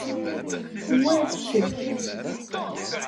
War ccek!